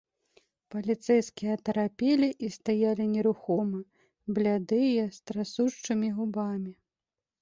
Паліцэйскія атарапелі і стаялі нерухома, блядыя, з трасучымі губамі.